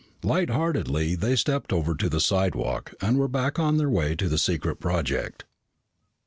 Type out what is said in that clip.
Lightheartedly they stepped over to the slidewalk and were back on their way to the secret project.